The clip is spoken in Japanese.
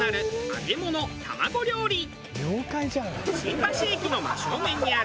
新橋駅の真正面にある。